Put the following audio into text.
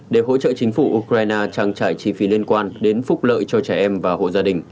để hỗ trợ chính phủ ukraine trang trải chi phí liên quan đến phúc lợi cho trẻ em và hộ gia đình